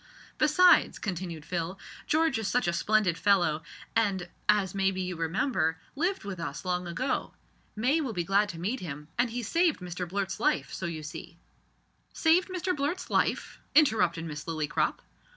"Besides," continued Phil, "George is such a splendid fellow, and, as maybe you remember, lived with us long ago. May will be glad to meet him; and he saved Mr Blurt's life, so you see " "Saved Mr Blurt's life!" interrupted Miss Lillycrop.